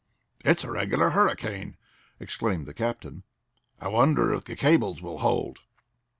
"It's a regular hurricane!" exclaimed the captain. "I wonder if the cables will hold?"